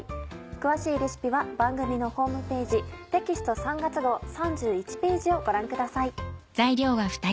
詳しいレシピは番組のホームページテキスト３月号３１ページをご覧ください。